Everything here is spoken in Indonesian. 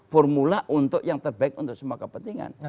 formula untuk yang terbaik untuk semua kepentingan